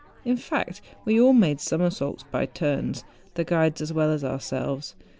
In fact, we all made summersaults by turns, the guides as well as ourselves.